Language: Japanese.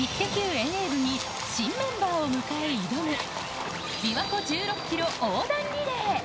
遠泳部に、新メンバーを迎え、挑む琵琶湖１６キロ横断リレー。